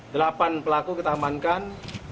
delapan pelaku kita amankan